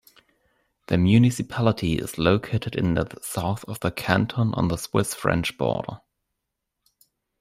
The municipality is located in the south of the Canton, on the Swiss-French border.